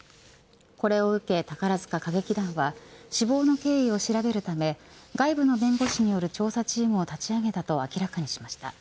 これを受け、宝塚歌劇団は死亡の経緯を調べるため外部の弁護士による調査チームを立ち上げたと明らかにしました。